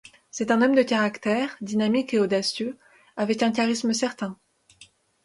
C'est un homme de caractère, dynamique et audacieux, avec un charisme certain.